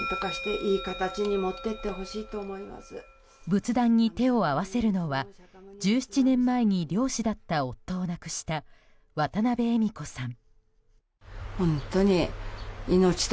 仏壇に手を合わせるのは１７年前に漁師だった夫を亡くした渡辺恵美子さん。